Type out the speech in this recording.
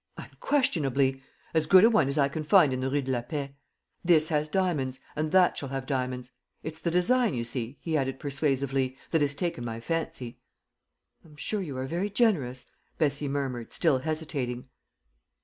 "Unquestionably. As good a one as I can find in the Rue de la Paix. This has diamonds, and that shall have diamonds. It's the design, you see," he added persuasively, "that has taken my fancy." "I'm sure you are very generous," Bessie murmured, still hesitating.